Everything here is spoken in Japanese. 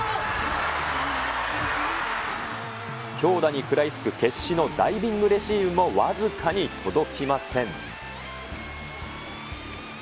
強打に食らいつく決死のダイビングレシーブも、僅かに届きません。